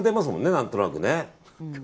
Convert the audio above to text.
何となくね。